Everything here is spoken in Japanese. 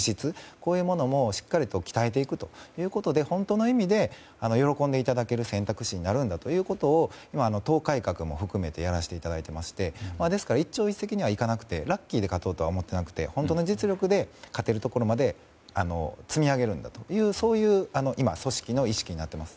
こういうものもしっかり鍛えていくということで本当の意味で喜んでいただける選択肢になるんだということを党改革も含めてやらせていただいてましてですから一朝一夕にはいかなくてラッキーで勝とうとは思っていなくて本当の実力で勝てるところまで積み上げるんだというそういう組織の意識になっています。